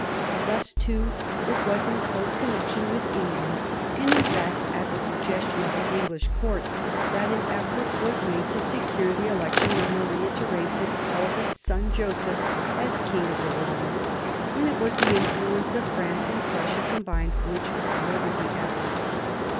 Thus too it was in close connection with England (and in fact at the suggestion of the English court) that an effort was made to secure the election of Maria Theresa's eldest son Joseph as King of the Romans, and it was the influence of France and Prussia combined which thwarted the effort.